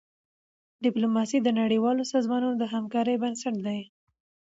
ډيپلوماسي د نړیوالو سازمانونو د همکارۍ بنسټ دی.